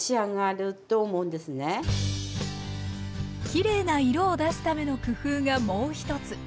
きれいな色を出すための工夫がもう一つ。